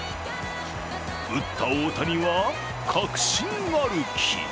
打った大谷は、確信歩き。